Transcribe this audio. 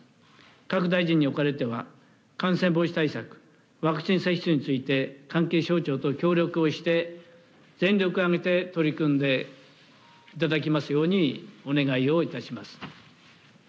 各大臣におかれては、感染防止対策、ワクチン接種について、関係省庁と協力をして、全力を挙げて取り組んでいただきますようにお願いをいたします。